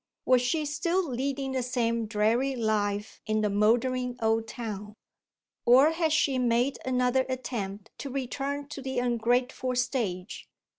Was she still leading the same dreary life in the mouldering old town? Or had she made another attempt to return to the ungrateful stage?